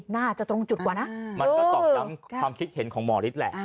น่าจะตรงจุดกว่านะมันก็ตอกย้ำความคิดเห็นของหมอฤทธิ์แหละ